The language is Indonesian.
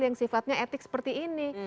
yang sifatnya etik seperti ini